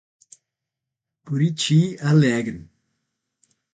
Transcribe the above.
Buriti Alegre